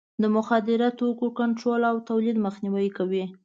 د مخدره توکو کنټرول او تولید مخنیوی کوي.